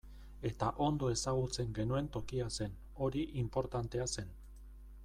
Eta ondo ezagutzen genuen tokia zen, hori inportantea zen.